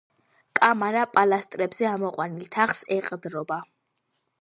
კამარა პილასტრებზე ამოყვანილ თაღს ეყრდნობა.